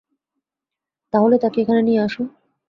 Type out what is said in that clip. তাহলে তাকে এখানে নিয়ে আসো।